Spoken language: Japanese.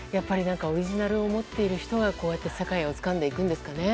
オリジナルを持っている人が世界をつかんでいくんですね。